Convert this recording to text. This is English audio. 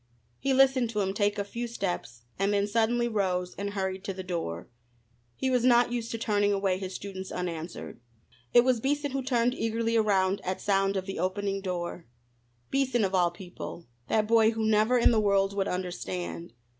He listened to him take a few steps, and then suddenly rose and hurried to the door. He was not used to turning away his students unanswered. It was Beason who turned eagerly around at sound of the opening door. Beason of all people that boy who never in the world would understand!